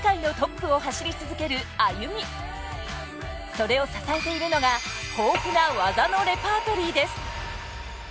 それを支えているのが豊富な技のレパートリーです。